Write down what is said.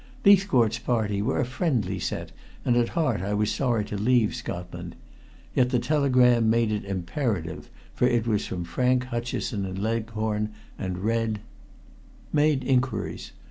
Leithcourt's party were a friendly set, and at heart I was sorry to leave Scotland. Yet the telegram made it imperative, for it was from Frank Hutcheson in Leghorn, and read _"Made inquiries.